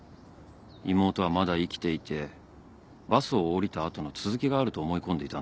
妹はまだ生きていてバスを降りた後の続きがあると思い込んでいたんだろうな。